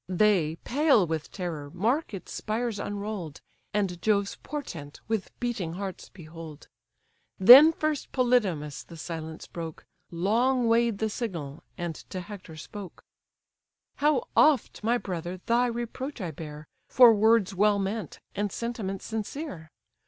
They, pale with terror, mark its spires unroll'd, And Jove's portent with beating hearts behold. Then first Polydamas the silence broke, Long weigh'd the signal, and to Hector spoke: "How oft, my brother, thy reproach I bear, For words well meant, and sentiments sincere?